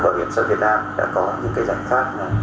bảo hiểm sở việt nam đã có những giải pháp